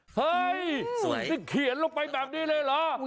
เฮ้ยสุดนี่เขียนลงไปแบบนี้เลยเหรอ